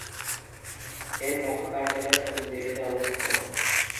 এর মুখ্য কাৰ্যালয় নতুন দিল্লীতে অবস্থিত।